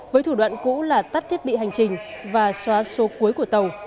với thủ đoạn cũ là tắt thiết bị hành trình và xóa số cuối của tàu